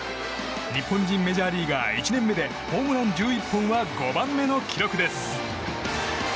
日本人メジャーリーガー１年目でホームラン１１本は５番目の記録です。